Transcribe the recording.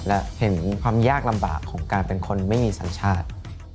และเห็นความยากลำบากของการเป็นคนไม่มีสัญชาติ